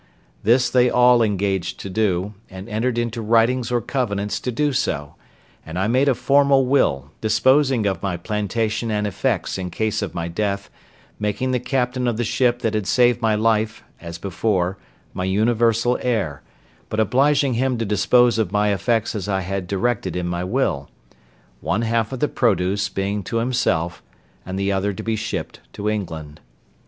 This they all engaged to do, and entered into writings or covenants to do so; and I made a formal will, disposing of my plantation and effects in case of my death, making the captain of the ship that had saved my life, as before, my universal heir, but obliging him to dispose of my effects as I had directed in my will; one half of the produce being to himself, and the other to be shipped to England.